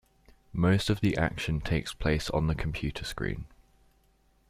Most of the action takes place on the computer screen.